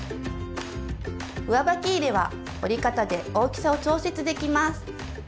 上履き入れは折り方で大きさを調節できます。